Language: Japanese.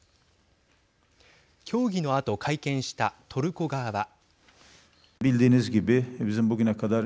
協議のあと会見したトルコ側は。